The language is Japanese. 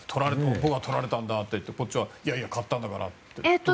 向こうが取られたんだって言ってこっちはいやいや、買ったんだからと。